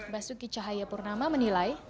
basuki cahaya purnama menilai